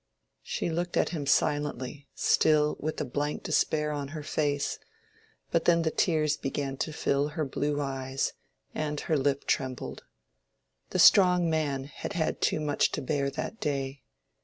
She looked at him silently, still with the blank despair on her face; but then the tears began to fill her blue eyes, and her lip trembled. The strong man had had too much to bear that day.